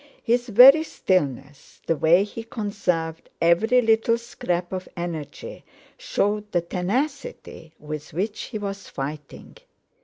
His very stillness, the way he conserved every little scrap of energy, showed the tenacity with which he was fighting.